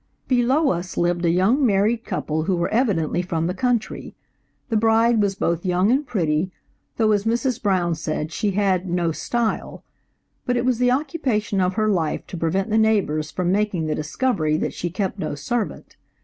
Below us lived a young married couple who were evidently from the country. The bride was both young and pretty, though as Mrs. Brown said, she had "no style;" but it was the occupation of her life to prevent the neighbors from making the discovery that she kept no servant.